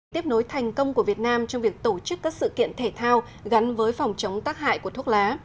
tiếp nối thành công của việt nam trong việc tổ chức các sự kiện thể thao gắn với phòng chống tác hại của thuốc lá